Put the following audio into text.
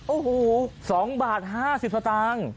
อู้หู๒บาท๕๐บาทตังค์